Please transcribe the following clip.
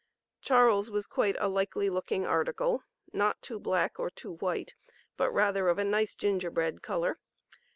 Charles was quite a "likely looking article," not too black or too white, but rather of a nice "ginger bread color."